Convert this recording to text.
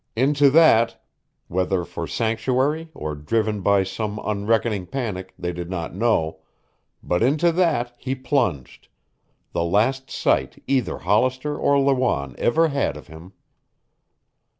Into that whether for sanctuary or driven by some unreckoning panic, they did not know but into that he plunged, the last sight either Hollister or Lawanne ever had of him.